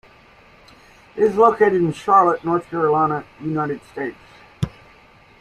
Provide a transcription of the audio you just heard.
It is located in Charlotte, North Carolina, United States.